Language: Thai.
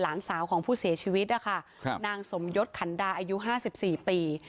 หลานสาวของผู้เสียชีวิตนะคะนางสมยศขันดาอายุ๕๔ปี